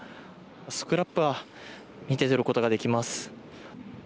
スクラップを見て取ることができます。